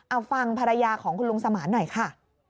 เอาฟังภรรยาของคุณลุงสมานหน่อยค่ะ